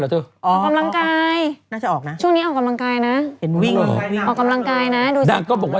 ดูสิสวยนางผอม